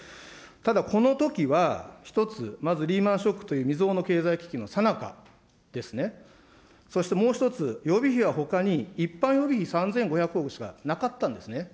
ただこのときは一つ、まずリーマンショックという未曽有の経済危機のさなかですね、そしてもう１つ、予備費はほかに一般予備費３５００億しかなかったんですね。